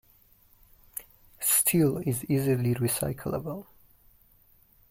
Steel is easily recyclable.